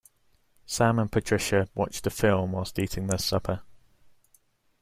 Sam and Patricia watched a film while eating their supper.